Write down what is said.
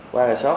qua gà sót mình